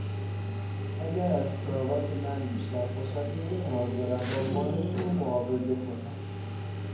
اگر از کراوات من بیشتر خوشت میآید حاضرم با مال تو معاوضه کنم.